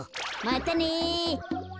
またね。